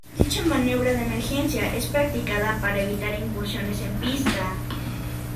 Dicha maniobra de emergencia es practicada para evitar incursiones en pista.